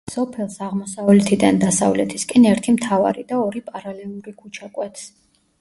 სოფელს აღმოსავლეთიდან დასავლეთისკენ ერთი მთავარი და ორი პარალელური ქუჩა კვეთს.